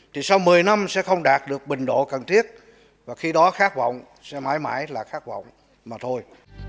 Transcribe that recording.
thì sau một mươi năm sẽ không đạt được bình độ cần thiết và khi đó khát vọng sẽ mãi mãi là khát vọng mà thôi